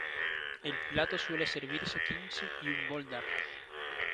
El plato suele servirse con "kimchi" y un bol de arroz.